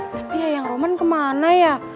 tapi ya yang roman kemana ya